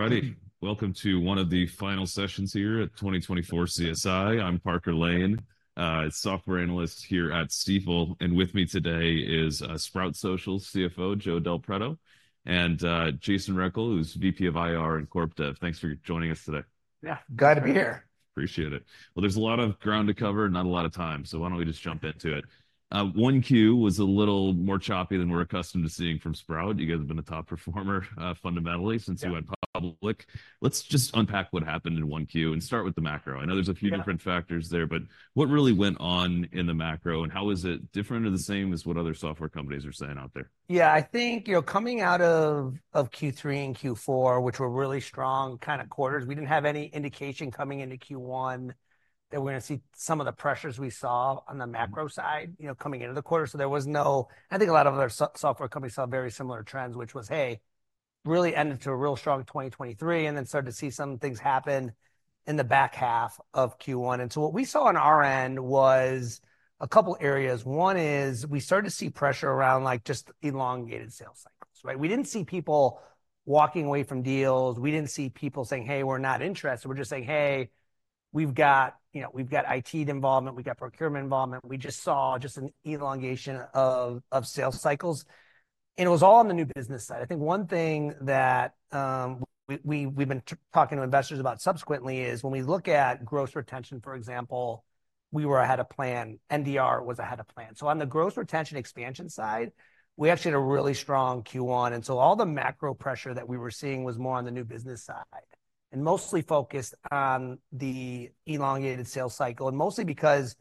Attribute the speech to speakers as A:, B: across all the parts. A: All righty. Welcome to one of the final sessions here at 2024 CSI. I'm Parker Lane, Software analyst here at Stifel, and with me today is Sprout Social CFO, Joe Del Preto, and Jason Rechel, who's VP of IR and Corp Dev. Thanks for joining us today.
B: Yeah, glad to be here.
A: Appreciate it. Well, there's a lot of ground to cover and not a lot of time, so why don't we just jump into it? 1Q was a little more choppy than we're accustomed to seeing from Sprout. You guys have been a top performer, fundamentally-
B: Yeah
A: Since you went public. Let's just unpack what happened in 1Q and start with the macro.
B: Yeah.
A: I know there's a few different factors there, but what really went on in the macro, and how is it different or the same as what other software companies are saying out there?
B: Yeah, I think, you know, coming out of Q3 and Q4, which were really strong kind of quarters, we didn't have any indication coming into Q1 that we're gonna see some of the pressures we saw on the macro side, you know, coming into the quarter. So there was no. I think a lot of other software companies saw very similar trends, which was, hey, really ended to a really strong 2023, and then started to see some things happen in the back half of Q1. And so what we saw on our end was a couple areas. One is we started to see pressure around, like, just elongated sales cycles, right? We didn't see people walking away from deals. We didn't see people saying, "Hey, we're not interested." We're just saying, "Hey, we've got, you know, we've got IT involvement, we've got procurement involvement." We just saw just an elongation of sales cycles, and it was all on the new business side. I think one thing that we've been talking to investors about subsequently is when we look at gross retention, for example, we were ahead of plan. NDR was ahead of plan. So on the gross retention expansion side, we actually had a really strong Q1, and so all the macro pressure that we were seeing was more on the new business side and mostly focused on the elongated sales cycle, and mostly because,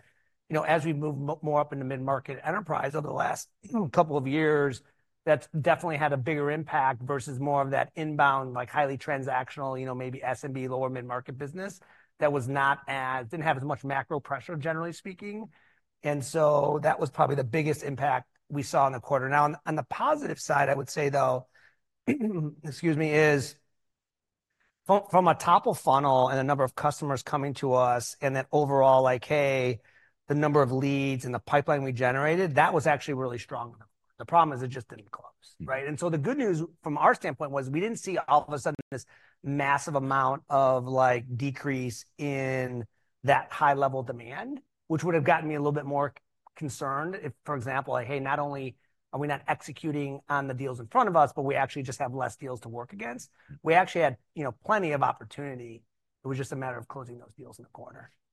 B: you know, as we move more up into mid-market enterprise over the last couple of years, that's definitely had a bigger impact versus more of that inbound, like, highly transactional, you know, maybe SMB, lower mid-market business that didn't have as much macro pressure, generally speaking. And so that was probably the biggest impact we saw in the quarter. Now, on the positive side, I would say, though, excuse me, is from a top-of-funnel and the number of customers coming to us, and then overall, like, hey, the number of leads and the pipeline we generated, that was actually really strong. The problem is it just didn't close, right? And so the good news from our standpoint was we didn't see all of a sudden this massive amount of, like, decrease in that high-level demand, which would've gotten me a little bit more concerned if, for example, like, hey, not only are we not executing on the deals in front of us, but we actually just have less deals to work against. We actually had, you know, plenty of opportunity. It was just a matter of closing those deals in the quarter.
A: Yeah.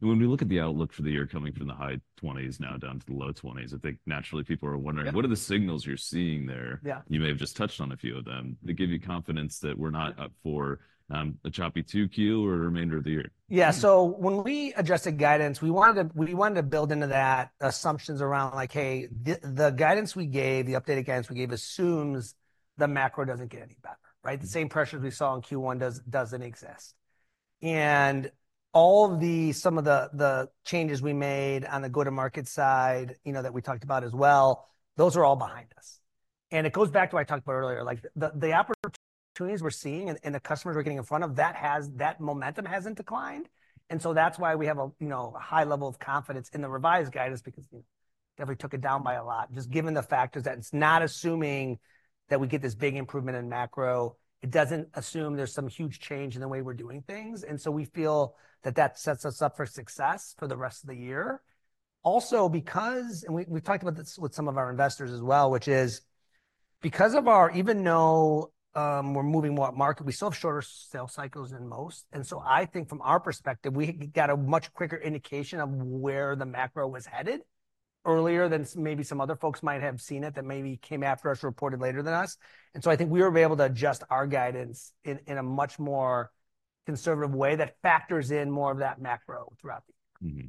A: When we look at the outlook for the year coming from the high 20s now down to the low 20s, I think naturally people are wondering-
B: Yeah
A: What are the signals you're seeing there?
B: Yeah.
A: You may have just touched on a few of them that give you confidence that we're not up for a choppy 2Q or a remainder of the year.
B: Yeah, so when we addressed the guidance, we wanted to build into that assumptions around, like, hey, the guidance we gave, the updated guidance we gave assumes the macro doesn't get any better, right?
A: Mm-hmm.
B: The same pressures we saw in Q1 doesn't exist. And all the, some of the, the changes we made on the go-to-market side, you know, that we talked about as well, those are all behind us. And it goes back to what I talked about earlier, like the, the opportunities we're seeing and, and the customers we're getting in front of, that has, that momentum hasn't declined, and so that's why we have a, you know, a high level of confidence in the revised guidance because, you know, definitely took it down by a lot, just given the factors, that it's not assuming that we get this big improvement in macro. It doesn't assume there's some huge change in the way we're doing things, and so we feel that that sets us up for success for the rest of the year. Also, because we've talked about this with some of our investors as well, which is because even though we're moving more upmarket, we still have shorter sales cycles than most, and so I think from our perspective, we got a much quicker indication of where the macro was headed earlier than maybe some other folks might have seen it, that maybe came after us, reported later than us. So I think we were able to adjust our guidance in a much more conservative way that factors in more of that macro throughout the year.
A: Mm-hmm.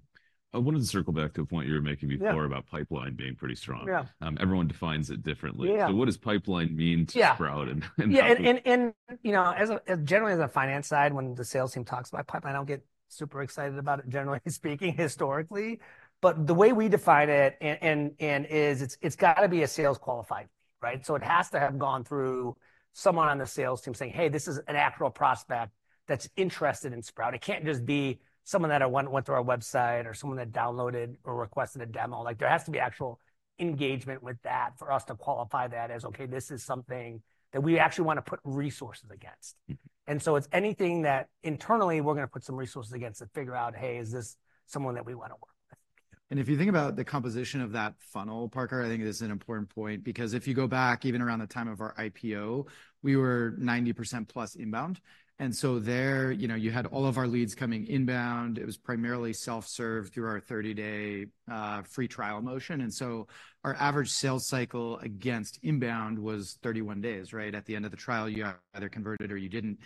A: I wanted to circle back to a point you were making before-
B: Yeah
A: about pipeline being pretty strong.
B: Yeah.
A: Everyone defines it differently.
B: Yeah.
A: What does pipeline mean to-
B: Yeah
A: Sprout
B: Yeah, and you know, generally as a finance side, when the sales team talks about pipeline, I don't get super excited about it, generally speaking, historically. But the way we define it, it's got to be a sales qualified, right? So it has to have gone through someone on the sales team saying, "Hey, this is an actual prospect that's interested in Sprout." It can't just be someone that went through our website or someone that downloaded or requested a demo. Like, there has to be actual engagement with that for us to qualify that as, okay, this is something that we actually want to put resources against.
A: Mm-hmm.
B: And so it's anything that internally we're gonna put some resources against to figure out, hey, is this someone that we want to work with?
A: Yeah.
C: And if you think about the composition of that funnel, Parker, I think this is an important point because if you go back, even around the time of our IPO, we were 90%+ inbound, and so there, you know, you had all of our leads coming inbound. It was primarily self-serve through our 30-day free trial motion, and so our average sales cycle against inbound was 31 days, right? At the end of the trial, you either converted or you didn't.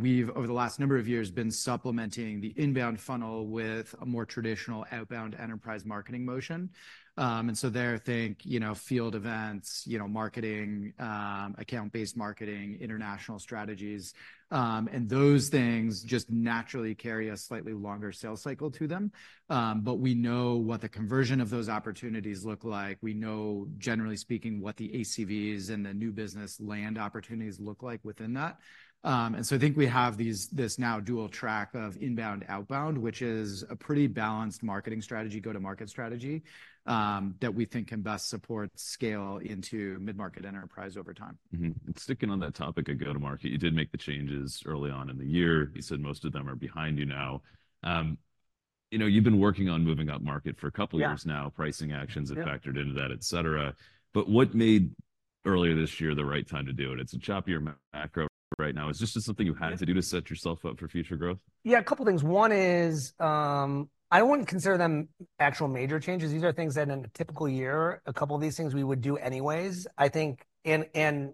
C: We've, over the last number of years, been supplementing the inbound funnel with a more traditional outbound enterprise marketing motion. So, you know, field events, you know, marketing, account-based marketing, international strategies, and those things just naturally carry a slightly longer sales cycle to them. But we know what the conversion of those opportunities look like. We know, generally speaking, what the ACVs and the new business land opportunities look like within that.
B: And so I think we have this now dual track of inbound, outbound, which is a pretty balanced marketing strategy, go-to-market strategy, that we think can best support scale into mid-market enterprise over time.
A: Mm-hmm. Sticking on that topic of go-to-market, you did make the changes early on in the year. You said most of them are behind you now. You know, you've been working on moving upmarket for a couple years now-
B: Yeah.
A: pricing actions have factored-
B: Yeah
A: into that, et cetera. But what made earlier this year the right time to do it? It's a choppier macro right now. Is this just something you had to do to set yourself up for future growth?
B: Yeah, a couple things. One is, I wouldn't consider them actual major changes. These are things that in a typical year, a couple of these things we would do anyways, I think, and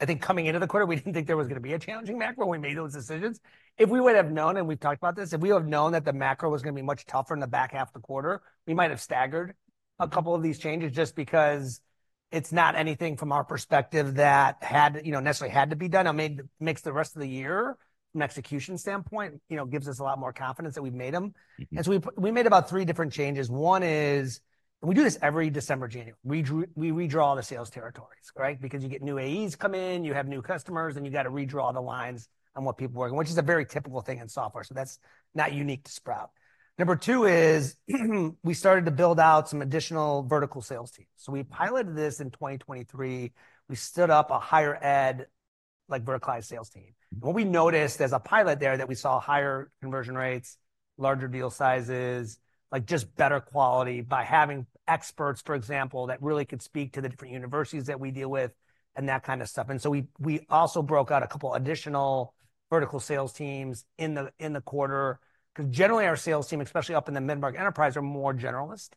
B: I think coming into the quarter, we didn't think there was going to be a challenging macro when we made those decisions. If we would have known, and we've talked about this, if we would have known that the macro was going to be much tougher in the back half of the quarter, we might have staggered a couple of these changes just because it's not anything from our perspective that had, you know, necessarily had to be done. Now, maybe makes the rest of the year, from an execution standpoint, you know, gives us a lot more confidence that we've made them.
A: Mm-hmm.
B: And so we made about three different changes. One is, and we do this every December, January, we redraw the sales territories, right? Because you get new AEs come in, you have new customers, and you've got to redraw the lines on what people working, which is a very typical thing in software. So that's not unique to Sprout. Number two is, we started to build out some additional vertical sales teams. So we piloted this in 2023. We stood up a higher ed, like, verticalized sales team.
A: Mm-hmm.
B: What we noticed as a pilot there, that we saw higher conversion rates, larger deal sizes, like just better quality by having experts, for example, that really could speak to the different universities that we deal with and that kind of stuff. So we also broke out a couple additional vertical sales teams in the quarter, because generally, our sales team, especially up in the mid-market enterprise, are more generalist.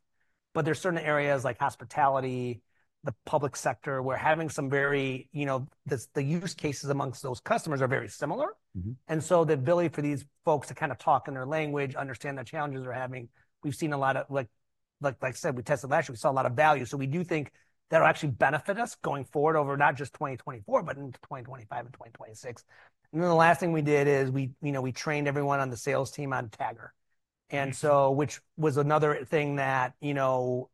B: There are certain areas like hospitality, the public sector, where having some very, you know, the use cases amongst those customers are very similar.
A: Mm-hmm.
B: And so the ability for these folks to kind of talk in their language, understand the challenges they're having, we've seen a lot of like, like, like I said, we tested last year, we saw a lot of value. So we do think that'll actually benefit us going forward over not just 2024, but into 2025 and 2026. And then the last thing we did is we, you know, we trained everyone on the sales team on Tagger.
A: Mm-hmm.
B: And so, which was another thing that, you know,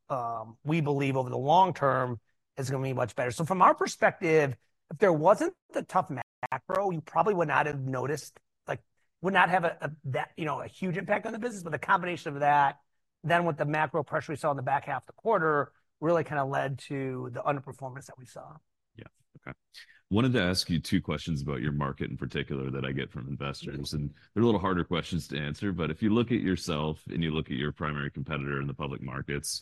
B: we believe over the long term is going to be much better. So from our perspective, if there wasn't the tough macro, you probably would not have noticed, like, would not have, you know, a huge impact on the business. But the combination of that, then with the macro pressure we saw in the back half of the quarter, really kind of led to the underperformance that we saw.
A: Yeah. Okay. I wanted to ask you two questions about your market in particular that I get from investors
B: Mm-hmm.
A: and they're a little harder questions to answer. But if you look at yourself, and you look at your primary competitor in the public markets,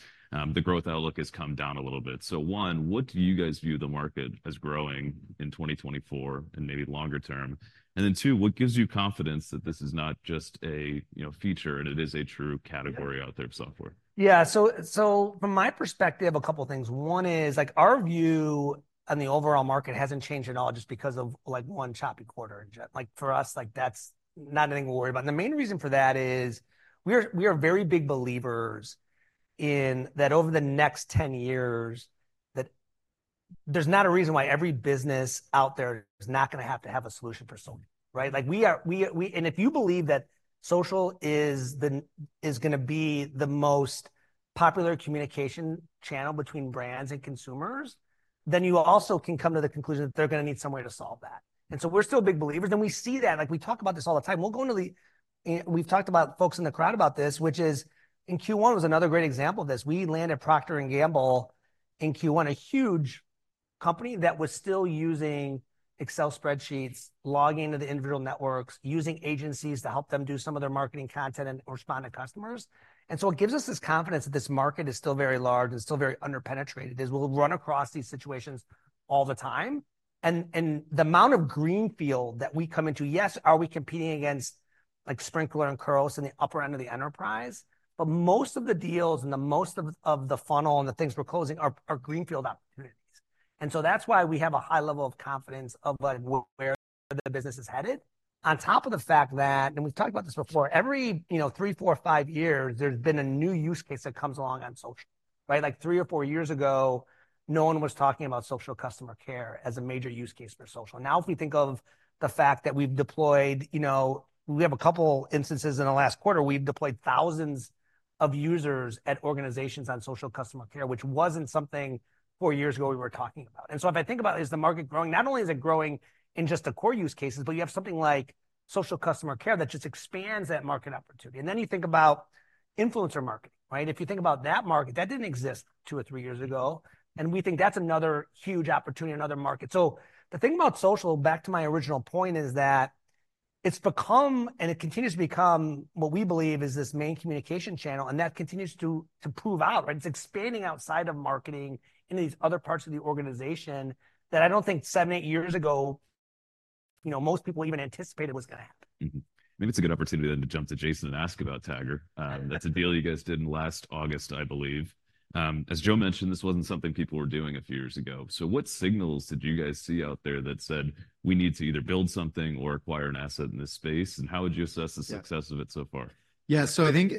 A: the growth outlook has come down a little bit. So, one, what do you guys view the market as growing in 2024 and maybe longer term? And then, two, what gives you confidence that this is not just a, you know, feature, and it is a true category-
B: Yeah
A: out there of software?
B: Yeah. So from my perspective, a couple things. One is, like, our view on the overall market hasn't changed at all just because of, like, one choppy quarter. Like, for us, like, that's not anything we worry about. And the main reason for that is we are very big believers in that over the next 10 years, that there's not a reason why every business out there is not going to have to have a solution for social, right? Like we are. And if you believe that social is going to be the most popular communication channel between brands and consumers, then you also can come to the conclusion that they're going to need some way to solve that. And so we're still big believers, and we see that. Like, we talk about this all the time. We'll go into the and we've talked about folks in the crowd about this, which is, in Q1 was another great example of this. We landed Procter & Gamble in Q1, a huge company that was still using Excel spreadsheets, logging into the individual networks, using agencies to help them do some of their marketing content and respond to customers. And so it gives us this confidence that this market is still very large and still very underpenetrated. We'll run across these situations all the time. And the amount of greenfield that we come into, yes, are we competing against, like, Sprinklr and Khoros in the upper end of the enterprise? But most of the deals and the most of the funnel and the things we're closing are greenfield opportunities. And so that's why we have a high level of confidence of, like, where the business is headed. On top of the fact that, and we've talked about this before, every, you know, three, four, five years, there's been a new use case that comes along on social, right? Like, three or four years ago, no one was talking about social customer care as a major use case for social. Now, if we think of the fact that we've deployed, you know, we have a couple instances in the last quarter, we've deployed thousands of users at organizations on social customer care, which wasn't something four years ago we were talking about. And so if I think about, is the market growing? Not only is it growing in just the core use cases, but you have something like social customer care that just expands that market opportunity. And then you think about influencer marketing, right? If you think about that market, that didn't exist two or three years ago, and we think that's another huge opportunity, another market. So the thing about social, back to my original point, is that it's become and it continues to become what we believe is this main communication channel, and that continues to prove out, right? It's expanding outside of marketing into these other parts of the organization that I don't think seven, eight years ago you know, most people even anticipated was going to happen.
A: Mm-hmm. Maybe it's a good opportunity then to jump to Jason and ask about Tagger. That's a deal you guys did in last August, I believe. As Joe mentioned, this wasn't something people were doing a few years ago. So what signals did you guys see out there that said, "We need to either build something or acquire an asset in this space," and how would you assess the success-
C: Yeah
A: of it so far?
C: Yeah, so I think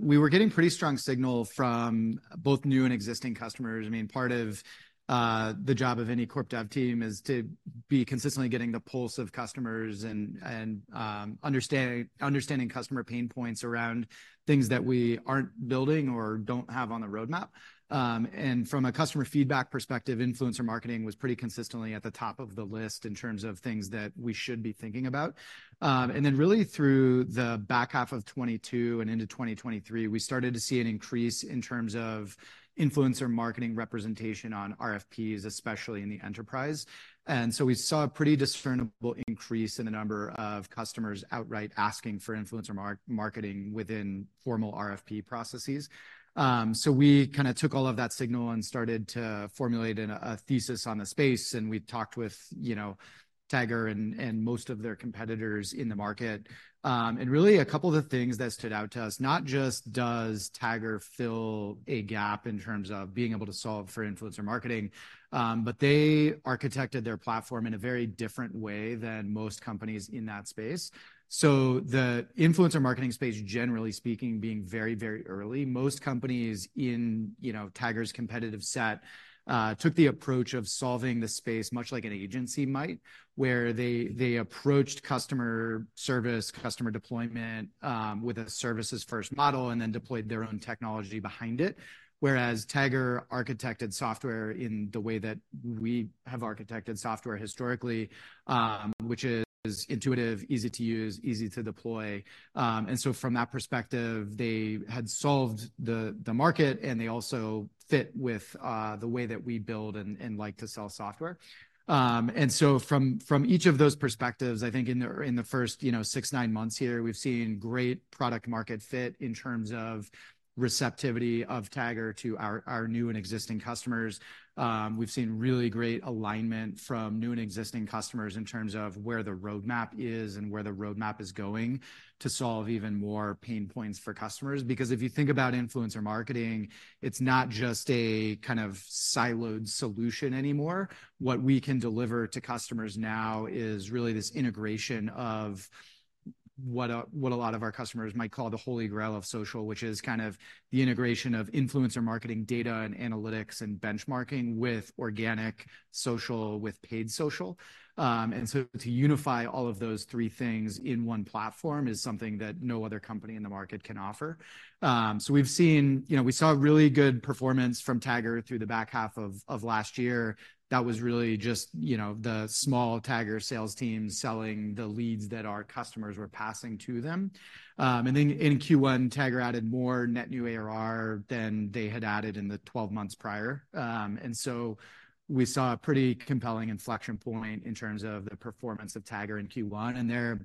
C: we were getting pretty strong signal from both new and existing customers. I mean, part of the job of any corp dev team is to be consistently getting the pulse of customers and understanding customer pain points around things that we aren't building or don't have on the roadmap. And from a customer feedback perspective, influencer marketing was pretty consistently at the top of the list in terms of things that we should be thinking about. And then really through the back half of 2022 and into 2023, we started to see an increase in terms of influencer marketing representation on RFPs, especially in the enterprise. And so we saw a pretty discernible increase in the number of customers outright asking for influencer marketing within formal RFP processes. So we kind of took all of that signal and started to formulate a thesis on the space, and we talked with, you know, Tagger and most of their competitors in the market. And really, a couple of the things that stood out to us, not just does Tagger fill a gap in terms of being able to solve for influencer marketing, but they architected their platform in a very different way than most companies in that space. So the influencer marketing space, generally speaking, being very, very early, most companies in, you know, Tagger's competitive set, took the approach of solving the space much like an agency might, where they, they approached customer service, customer deployment, with a services-first model and then deployed their own technology behind it. Whereas Tagger architected software in the way that we have architected software historically, which is intuitive, easy to use, easy to deploy. And so from that perspective, they had solved the market, and they also fit with the way that we build and like to sell software. And so from each of those perspectives, I think in the first, you know, six to nine months here, we've seen great product market fit in terms of receptivity of Tagger to our new and existing customers. We've seen really great alignment from new and existing customers in terms of where the roadmap is and where the roadmap is going to solve even more pain points for customers. Because if you think about influencer marketing, it's not just a kind of siloed solution anymore. What we can deliver to customers now is really this integration of what a lot of our customers might call the holy grail of social, which is kind of the integration of influencer marketing data and analytics and benchmarking with organic social, with paid social. And so to unify all of those three things in one platform is something that no other company in the market can offer. So we've seen. You know, we saw really good performance from Tagger through the back half of last year. That was really just, you know, the small Tagger sales team selling the leads that our customers were passing to them. And then in Q1, Tagger added more net new ARR than they had added in the 12 months prior. And so we saw a pretty compelling inflection point in terms of the performance of Tagger in Q1. And they're,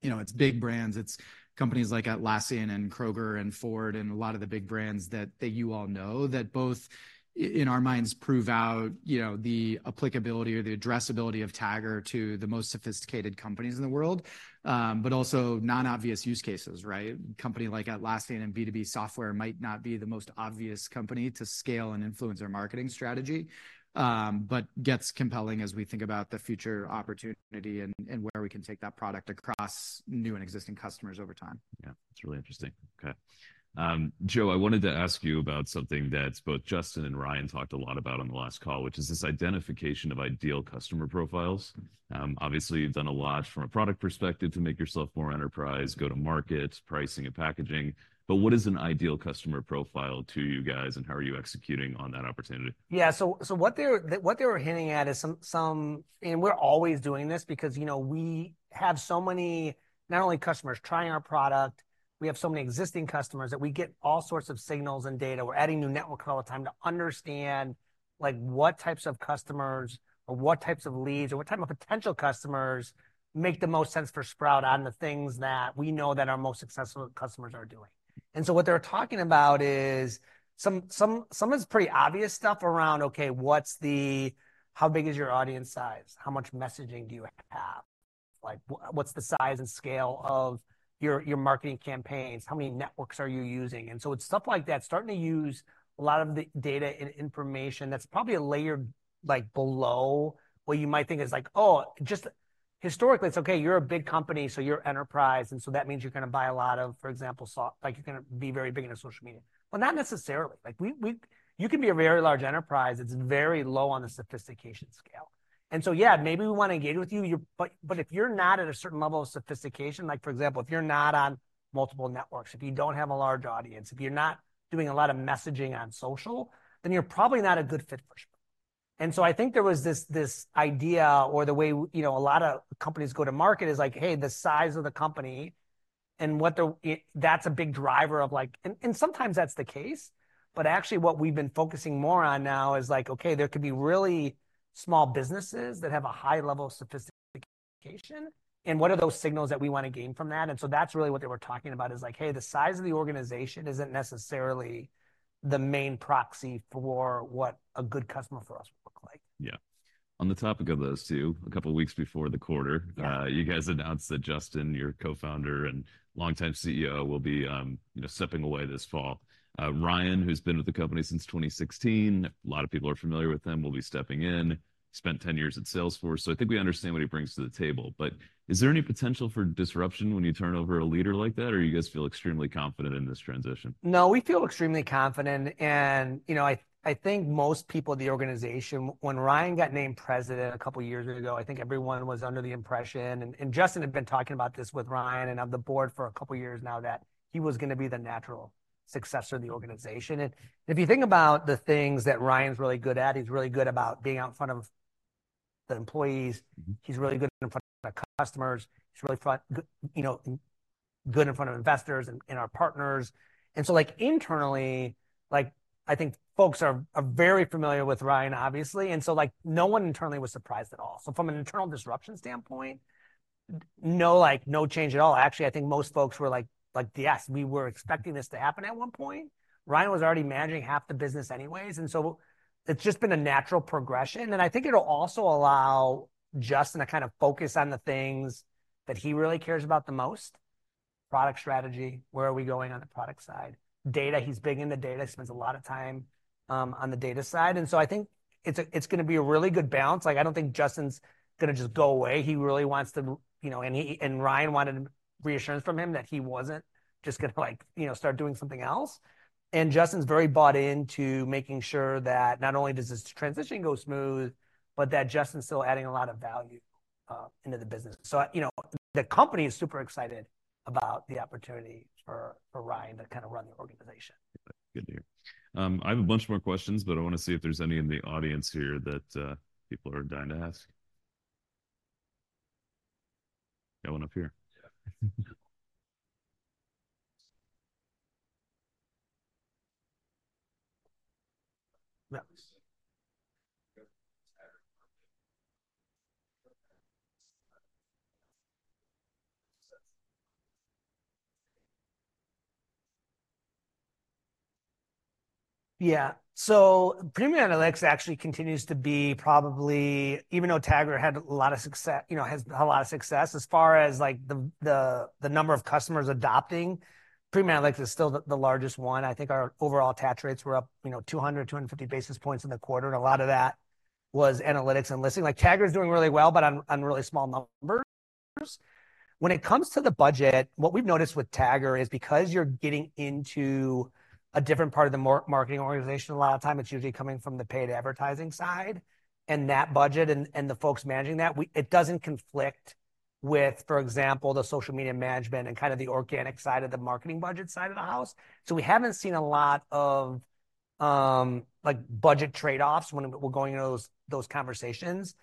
C: you know, it's big brands, it's companies like Atlassian and Kroger and Ford and a lot of the big brands that, that you all know, that both in our minds, prove out, you know, the applicability or the addressability of Tagger to the most sophisticated companies in the world, but also non-obvious use cases, right? A company like Atlassian and B2B software might not be the most obvious company to scale an influencer marketing strategy, but gets compelling as we think about the future opportunity and, and where we can take that product across new and existing customers over time.
A: Yeah, that's really interesting. Okay. Joe, I wanted to ask you about something that both Justyn and Ryan talked a lot about on the last call, which is this identification of ideal customer profiles. Obviously, you've done a lot from a product perspective to make yourself more enterprise, go-to-market, pricing and packaging, but what is an ideal customer profile to you guys, and how are you executing on that opportunity?
B: Yeah, so what they were hinting at is some. And we're always doing this because, you know, we have so many, not only customers trying our product, we have so many existing customers that we get all sorts of signals and data. We're adding new networks all the time to understand, like, what types of customers or what types of leads or what type of potential customers make the most sense for Sprout on the things that we know that our most successful customers are doing. And so what they're talking about is some of it's pretty obvious stuff around, okay, what's the, how big is your audience size? How much messaging do you have? Like, what's the size and scale of your marketing campaigns? How many networks are you using? So it's stuff like that, starting to use a lot of the data and information that's probably a layer, like, below what you might think is like, oh, just historically, it's, okay, you're a big company, so you're enterprise, and so that means you're going to buy a lot of, for example, like, you're going to be very big into social media. Well, not necessarily, like, we, you can be a very large enterprise that's very low on the sophistication scale. So, yeah, maybe we want to engage with you, but if you're not at a certain level of sophistication, like for example, if you're not on multiple networks, if you don't have a large audience, if you're not doing a lot of messaging on social, then you're probably not a good fit for Sprout. And so I think there was this idea, or the way, you know, a lot of companies go to market is like, "Hey, the size of the company," and that's a big driver of, like. And sometimes that's the case, but actually, what we've been focusing more on now is, like, okay, there could be really small businesses that have a high level of sophistication. And what are those signals that we want to gain from that? And so that's really what they were talking about is like, hey, the size of the organization isn't necessarily the main proxy for what a good customer for us would look like.
A: Yeah. On the topic of those two, a couple of weeks before the quarter-
B: Yeah.
A: you guys announced that Justyn, your co-founder and longtime CEO, will be, you know, stepping away this fall. Ryan, who's been with the company since 2016, a lot of people are familiar with him, will be stepping in. Spent 10 years at Salesforce, so I think we understand what he brings to the table, but is there any potential for disruption when you turn over a leader like that, or you guys feel extremely confident in this transition?
B: No, we feel extremely confident, and, you know, I think most people at the organization, when Ryan got named president a couple of years ago, I think everyone was under the impression, and Justyn had been talking about this with Ryan and on the board for a couple of years now, that he was going to be the natural successor of the organization. And if you think about the things that Ryan's really good at, he's really good about being out in front of the employees-
A: Mm-hmm.
B: He's really good in front of the customers. He's really, you know, good in front of investors and, and our partners. And so, like, internally, like, I think folks are very familiar with Ryan, obviously, and so, like, no one internally was surprised at all. So from an internal disruption standpoint, no, like, no change at all. Actually, I think most folks were like: "Like, yes, we were expecting this to happen at one point." Ryan was already managing half the business anyways, and so it's just been a natural progression, and I think it'll also allow Justyn to kind of focus on the things that he really cares about the most. Product strategy, where are we going on the product side? Data, he's big into data, spends a lot of time on the data side, and so I think it's a, it's going to be a really good balance. Like, I don't think Justyn's going to just go away. He really wants to, you know, and he, and Ryan wanted reassurance from him that he wasn't just going to, like, you know, start doing something else. And Justyn's very bought into making sure that not only does this transition go smooth, but that Justyn's still adding a lot of value into the business. So, you know, the company is super excited about the opportunity for Ryan to kind of run the organization.
A: Good to hear. I have a bunch more questions, but I want to see if there's any in the audience here that people are dying to ask. Got one up here.
B: Yeah, so Premium Analytics actually continues to be probably even though Tagger had a lot of success, you know, has had a lot of success, as far as, like, the number of customers adopting, Premium Analytics is still the largest one. I think our overall attach rates were up, you know, 200 basis points-250 basis points in the quarter, and a lot of that was analytics and listening. Like, Tagger is doing really well, but on really small numbers. When it comes to the budget, what we've noticed with Tagger is because you're getting into a different part of the marketing organization, a lot of the time it's usually coming from the paid advertising side, and that budget and the folks managing that, it doesn't conflict with, for example, the social media management and kind of the organic side of the marketing budget side of the house. So we haven't seen a lot of, like, budget trade-offs when we're going into those conversations.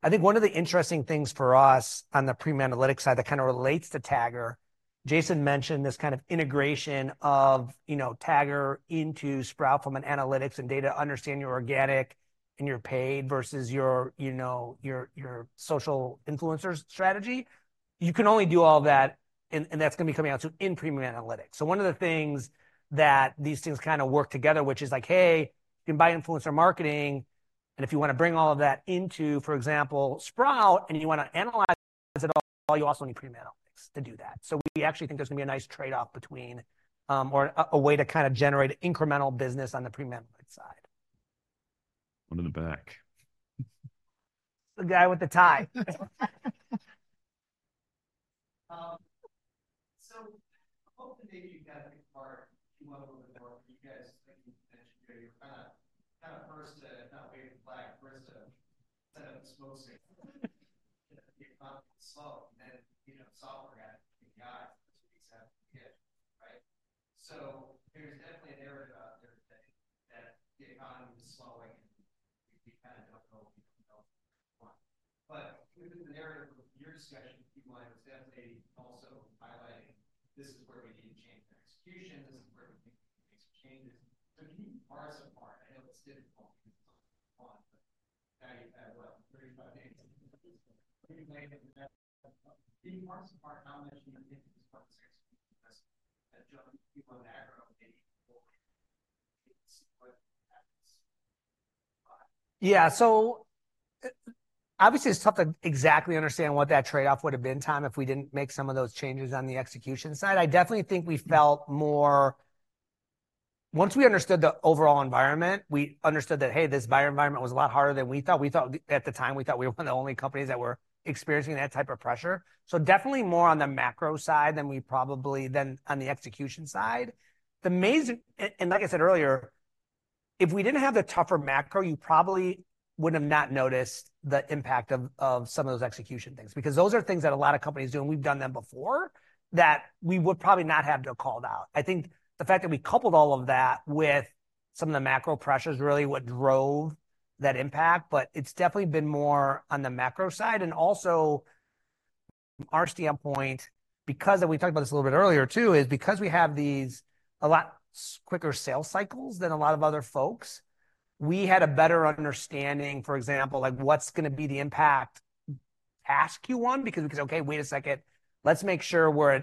B: I think one of the interesting things for us on the Premium Analytics side that kind of relates to Tagger, Jason mentioned this kind of integration of, you know, Tagger into Sprout from an analytics and data, understand your organic and your paid versus your, you know, your social influencer strategy. You can only do all of that, and that's going to be coming out too, in Premium Analytics. So one of the things that these things kind of work together, which is like, hey, you can buy influencer marketing, and if you want to bring all of that into, for example, Sprout, and you want to analyze it all, you also need Premium Analytics to do that. So we actually think there's going to be a nice trade-off between, or a way to kind of generate incremental business on the Premium Analytics side.
A: One in the back.
B: The guy with the tie.
D: So hopefully, maybe you've got a part you want a little bit more from you guys, like you mentioned earlier, you're kind of, kind of first to not wave the flag, first to set up smoke signals. So then, you know, software guys, which we have here, right? So there's definitely a narrative out there today that the economy is slowing, and we, we kind of don't know, we don't know. But within the narrative of your discussion, you might have definitely also highlighted, this is where we need to change our execution, this is where we make some changes. So can you parse apart, I know it's difficult, but I, well, 35 minutes, maybe 39, can you parse apart how much you think is versus people in the macro maybe?
B: Yeah. So, obviously, it's tough to exactly understand what that trade-off would've been, Tom, if we didn't make some of those changes on the execution side. I definitely think we felt more. Once we understood the overall environment, we understood that, hey, this buyer environment was a lot harder than we thought. We thought, at the time, we thought we were one of the only companies that were experiencing that type of pressure. So definitely more on the macro side than we probably, than on the execution side. The amazing, and, and like I said earlier, if we didn't have the tougher macro, you probably would have not noticed the impact of, of some of those execution things, because those are things that a lot of companies do, and we've done them before, that we would probably not have to call it out. I think the fact that we coupled all of that with some of the macro pressures is really what drove that impact, but it's definitely been more on the macro side and also. From our standpoint, because, and we talked about this a little bit earlier, too, is because we have these a lot quicker sales cycles than a lot of other folks, we had a better understanding, for example, like, what's going to be the impact on us, because, okay, wait a second, let's make sure we're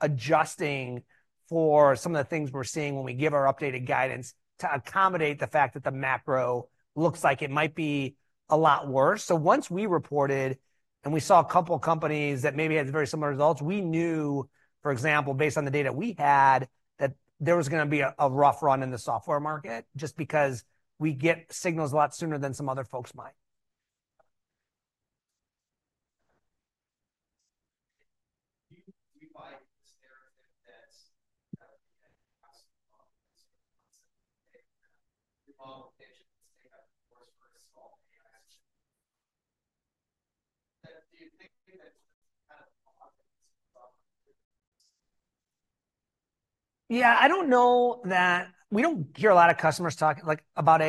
B: adjusting for some of the things we're seeing when we give our updated guidance to accommodate the fact that the macro looks like it might be a lot worse. So once we reported and we saw a couple companies that maybe had very similar results, we knew, for example, based on the data we had, that there was going to be a rough run in the software market just because we get signals a lot sooner than some other folks might.
D: Do you buy the narrative that,
B: Yeah, I don't know that we don't hear a lot of customers talking, like, about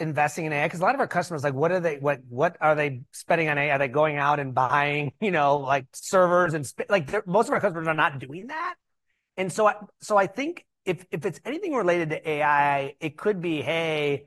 B: investing in AI, because a lot of our customers, like, what are they spending on AI? Are they going out and buying, you know, like, servers and like, they're most of our customers are not doing that. And so I think if it's anything related to AI, it could be, hey,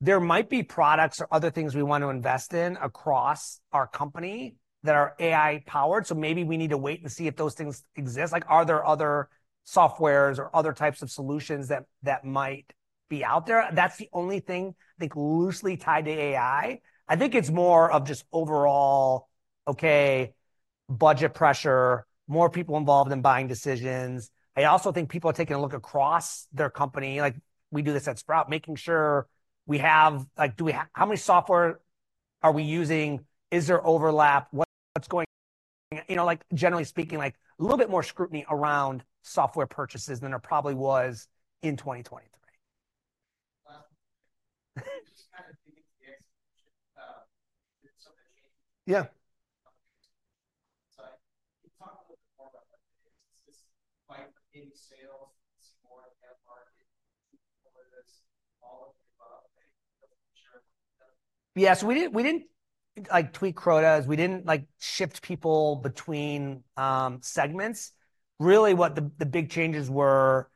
B: there might be products or other things we want to invest in across our company that are AI-powered, so maybe we need to wait and see if those things exist. Like, are there other softwares or other types of solutions that might be out there? That's the only thing I think loosely tied to AI. I think it's more of just overall, okay, budget pressure, more people involved in buying decisions. I also think people are taking a look across their company, like we do this at Sprout, making sure we have. Like, do we how many software are we using? Is there overlap? What, what's going- You know, like, generally speaking, like, a little bit more scrutiny around software purchases than there probably was in 2023.
D: Just kind of thinking the, something-
B: Yeah.
D: So can you talk a little bit more about, like, is this like in sales, more of that market, or this all about, like, sure.
B: Yeah, so we didn't, we didn't, like, tweak quotas. We didn't, like, shift people between segments. Really, what the big changes were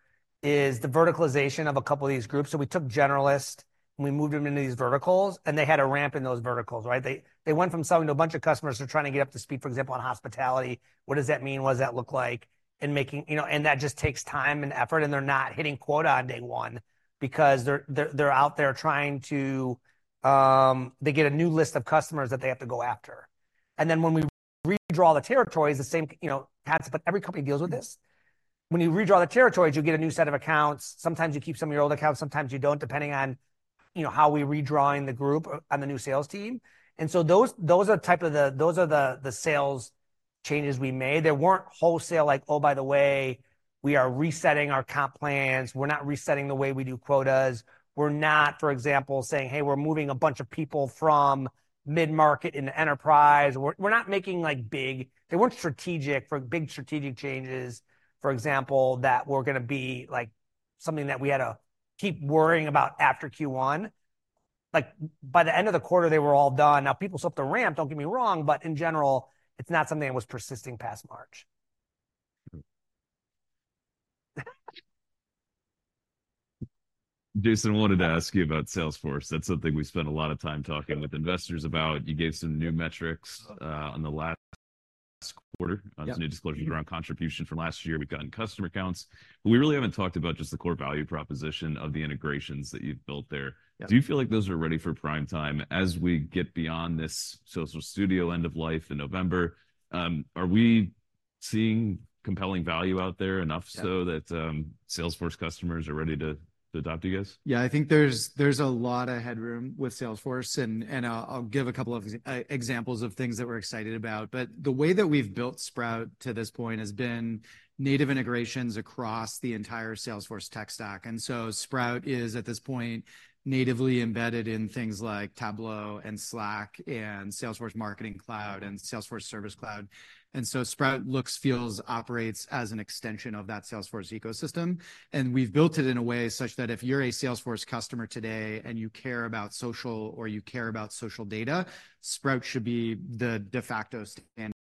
B: is the verticalization of a couple of these groups. So we took generalists, and we moved them into these verticals, and they had to ramp in those verticals, right? They went from selling to a bunch of customers to trying to get up to speed, for example, on hospitality. What does that mean? What does that look like? You know, and that just takes time and effort, and they're not hitting quota on day one because they're out there trying to, they get a new list of customers that they have to go after. And then, when we redraw the territories, the same, you know, happens, but every company deals with this. When you redraw the territories, you get a new set of accounts. Sometimes you keep some of your old accounts, sometimes you don't, depending on, you know, how we're redrawing the group on the new sales team. And so those are the sales changes we made. They weren't wholesale, like, "Oh, by the way, we are resetting our comp plans." We're not resetting the way we do quotas. We're not, for example, saying, "Hey, we're moving a bunch of people from mid-market into enterprise." We're not making, like, big strategic changes, for example, that were going to be, like, something that we had to keep worrying about after Q1. Like, by the end of the quarter, they were all done. Now, people still have to ramp, don't get me wrong, but in general, it's not something that was persisting past March.
A: Jason, wanted to ask you about Salesforce. That's something we spent a lot of time talking with investors about. You gave some new metrics on the last quarter-
C: Yeah
A: some new disclosures around contribution from last year. We've gotten customer counts, but we really haven't talked about just the core value proposition of the integrations that you've built there.
C: Yeah.
A: Do you feel like those are ready for prime time? As we get beyond this Social Studio end of life in November, are we seeing compelling value out there, enough so-
C: Yeah
A: that, Salesforce customers are ready to adopt you guys?
C: Yeah, I think there's a lot of headroom with Salesforce, and I'll give a couple of examples of things that we're excited about. But the way that we've built Sprout to this point has been native integrations across the entire Salesforce tech stack. And so Sprout is, at this point, natively embedded in things like Tableau and Slack and Salesforce Marketing Cloud and Salesforce Service Cloud. And so Sprout looks, feels, operates as an extension of that Salesforce ecosystem, and we've built it in a way such that if you're a Salesforce customer today and you care about social or you care about social data, Sprout should be the de facto standard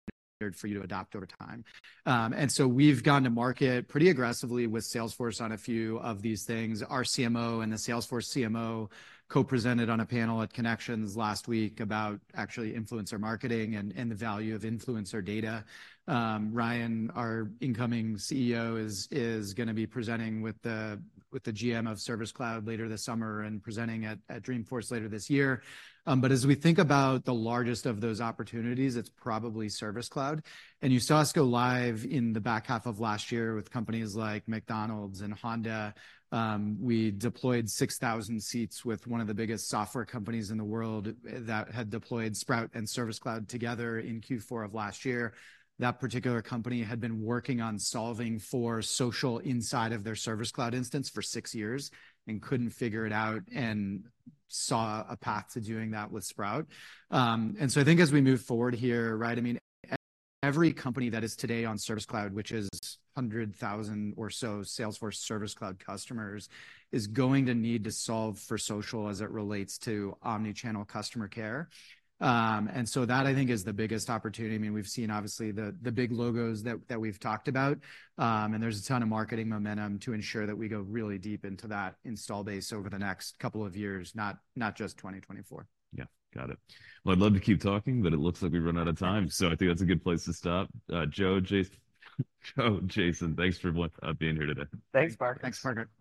C: for you to adopt over time. And so we've gone to market pretty aggressively with Salesforce on a few of these things. Our CMO and the Salesforce CMO co-presented on a panel at Connections last week about actually influencer marketing and the value of influencer data. Ryan, our incoming CEO, is going to be presenting with the GM of Service Cloud later this summer and presenting at Dreamforce later this year. But as we think about the largest of those opportunities, it's probably Service Cloud. You saw us go live in the back half of last year with companies like McDonald's and Honda. We deployed 6,000 seats with one of the biggest software companies in the world that had deployed Sprout and Service Cloud together in Q4 of last year. That particular company had been working on solving for social inside of their Service Cloud instance for 6 years and couldn't figure it out and saw a path to doing that with Sprout. And so I think as we move forward here, right, I mean, every company that is today on Service Cloud, which is 100,000 or so Salesforce Service Cloud customers, is going to need to solve for social as it relates to omni-channel customer care. And so that, I think, is the biggest opportunity. I mean, we've seen obviously the big logos that we've talked about, and there's a ton of marketing momentum to ensure that we go really deep into that install base over the next couple of years, not just 2024.
A: Yeah. Got it. Well, I'd love to keep talking, but it looks like we've run out of time, so I think that's a good place to stop. Joe, Jason, Joe, Jason, thanks for being here today.
C: Thanks, Parker.
B: Thanks, Parker.